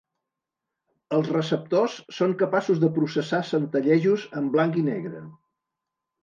Els receptors són capaços de processar centellejos en blanc i negre.